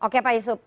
oke pak yusuf